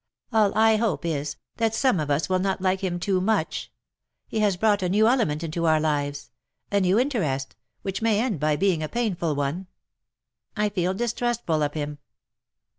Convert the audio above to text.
" All I hope is, that some of us will not like him too much. He has brought a new element into our lives — a new interest — which may end by being a painful one. I feel distrustful of him."